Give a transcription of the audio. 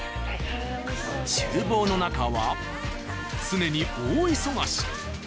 厨房の中は常に大忙し。